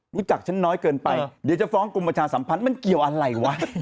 ฉันน้อยเกินไปเดี๋ยวจะฟ้องกลุ่มประชาสัมพันธ์มันเกี่ยวอะไรวะ